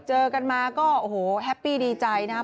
เจอกันมาก็โอ้โหแฮปปี้ดีใจนะครับ